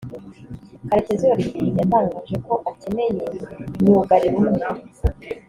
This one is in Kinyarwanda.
Karekezi Olivier yatangaje ko akeneye myugariro umwe